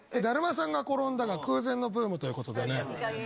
「だるまさんが転んだ」が空前のブームということでね。